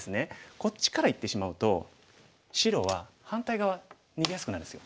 こっちからいってしまうと白は反対側逃げやすくなるんですよ。